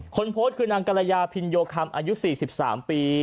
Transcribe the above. คนโพสต์คือนางกรยาพินโยคำอายุ๔๓ปี